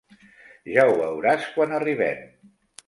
Ja ho veuràs quan arribem.